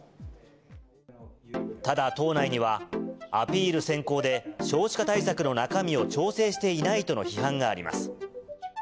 ただ、党内には、アピール先行で少子化対策の中身を調整していないとの批判があります。